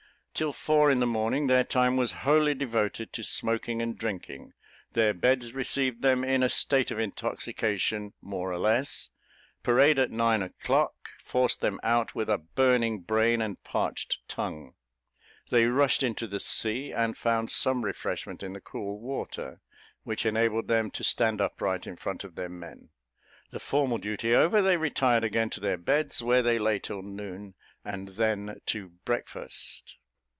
Till four in the morning, their time was wholly devoted to smoking and drinking; their beds received them in a state of intoxication more or less; parade, at nine o'clock, forced them out with a burning brain and parched tongue; they rushed into the sea, and found some refreshment in the cool water, which enabled them to stand upright in front of their men; the formal duty over, they retired again to their beds, where they lay till noon, and then to breakfast.